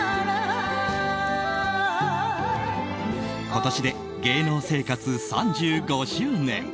今年で芸能生活３５周年。